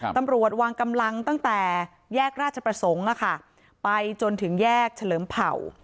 ตำรวจวางกำลังตั้งแต่แยกราชประสงค์ไปจนถึงแยกเฉลิมเผ่า